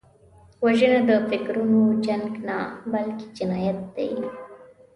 وژنه د فکرونو جنګ نه، بلکې جنایت دی